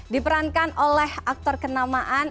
diperankan oleh aktor kenamaan